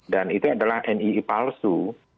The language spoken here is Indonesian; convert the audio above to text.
dan itu adalah nii palsu